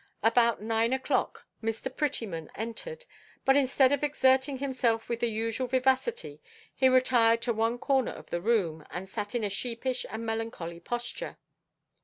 About nine o'clock Mr. Prettyman entered, but instead of exerting himself with his usual vivacity, he retired to one corner of the room, and sat in a sheepish and melancholy posture.